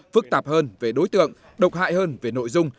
phức tạp hơn về đối tượng độc hại hơn về nội dung